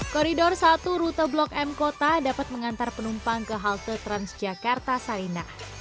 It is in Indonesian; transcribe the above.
koridor satu rute blok m kota dapat mengantar penumpang ke halte transjakarta sarinah